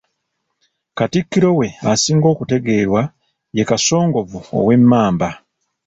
Katikkiro we asinga okutegeerwa ye Kasongovu ow'Emmamba.